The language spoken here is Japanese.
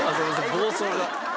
暴走が。